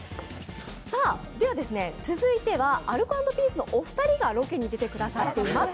続いてはアルコ＆ピースのお二人がロケに出てくださっています。